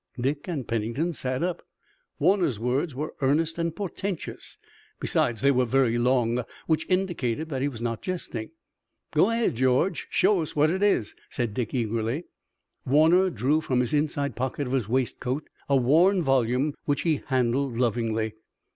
Dick and Pennington sat up. Warner's words were earnest and portentous. Besides, they were very long, which indicated that he was not jesting. "Go ahead, George. Show us what it is!" said Dick eagerly. Warner drew from the inside pocket of his waist coat a worn volume which he handled lovingly.